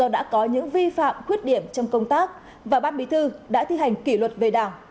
đã có những vi phạm khuyết điểm trong công tác và bát bí thư đã thi hành kỷ luật về đảng